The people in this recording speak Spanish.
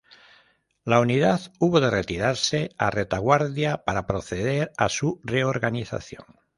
La unidad hubo de retirarse a retaguardia para proceder a su reorganización.